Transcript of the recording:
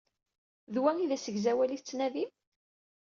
D wa i d asegzawal i tettnadim?